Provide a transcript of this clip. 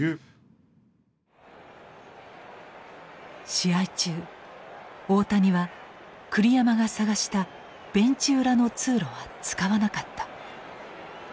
試合中大谷は栗山が探したベンチ裏の通路は使わなかった。